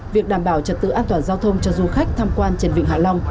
việc đảm bảo trật tự an toàn giao thông cho du khách tham quan trên vịnh hạ long